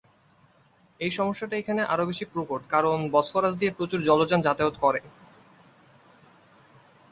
এ সমস্যাটি এখানে আরও বেশি প্রকট কারণ বসফরাস দিয়ে প্রচুর জলযান যাতায়াত করে।